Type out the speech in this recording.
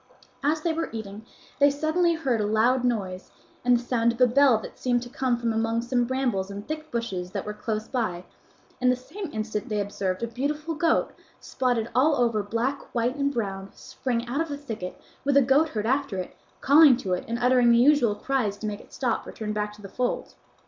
As they were eating they suddenly heard a loud noise and the sound of a bell that seemed to come from among some brambles and thick bushes that were close by, and the same instant they observed a beautiful goat, spotted all over black, white, and brown, spring out of the thicket with a goatherd after it, calling to it and uttering the usual cries to make it stop or turn back to the fold.